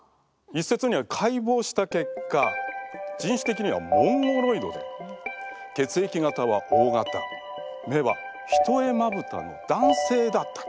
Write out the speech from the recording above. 一説によると解剖した結果人種的にはモンゴロイドで血液型はＯ型目はひとえまぶたの男性だった。